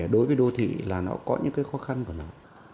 đối với đô thị là nó có những cái khó khăn của nó